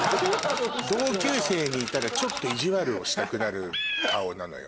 同級生にいたらちょっと意地悪をしたくなる顔なのよ。